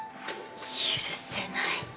許せない。